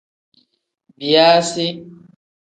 Biyaasi.